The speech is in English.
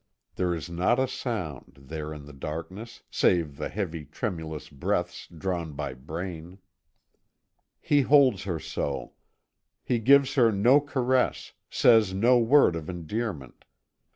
There is not a sound, there in the darkness, save the heavy, tremulous breaths drawn by Braine. He holds her so. He gives her no caress, says no word of endearment.